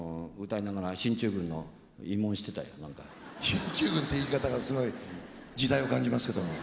進駐軍って言い方がすごい。時代を感じますけども。